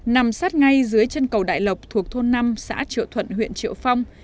nằm sát ngay dưới chân cầu đại lộc thuộc thôn năm xã triệu thuận huyện triệu phong